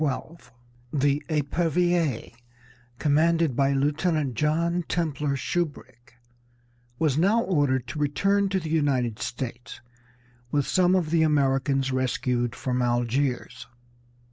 The Epervier, commanded by Lieutenant John Templer Shubrick, was now ordered to return to the United States, with some of the Americans rescued from Algiers.